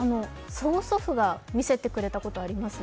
曽祖父が見せてくれたことがあります。